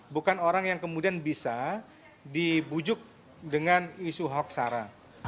bukan orang yang kemudian bisa dibujuk dengan isu hoksara